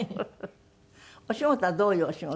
お仕事はどういうお仕事を？